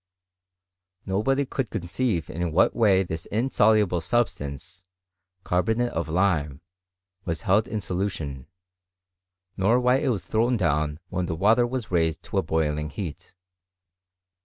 Nobody could conceive in whatwaV this insoluble substance (carbonate of lime) was heltt in solution, nor why it was thrown down when tiie Wei ter was raised to a boiling heat.